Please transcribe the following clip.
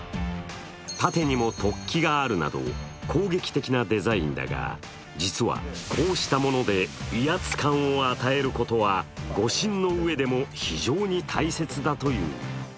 盾にも突起があるなど、攻撃的なデザインだが、実はこうしたもので威圧感を与えることは護身のうえでも非常に大切だという。